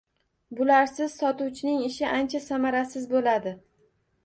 Bularsiz sotuvchining ishi ancha samarasiz boʻladi.